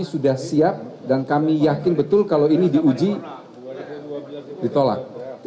sudah siap dan kami yakin betul kalau ini diuji ditolak